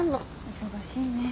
忙しいね。